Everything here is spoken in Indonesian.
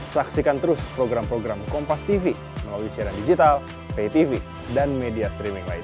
saksikan terus program program kompastv melalui siaran digital paytv dan media streaming lain